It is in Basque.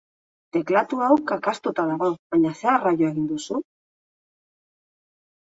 Teklatu hau kakaztuta dago, baina zer arraio egin duzu?